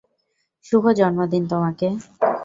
শুভ জন্মদিন তোমাকে!